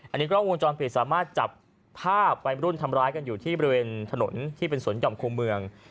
อันนี้กล้องวงจรปิดสามารถจับภาพวัยรุ่นทำร้ายกันอยู่ที่บริเวณถนนที่เป็นสวนห่อมคู่เมือง